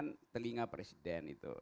dengan telinga presiden itu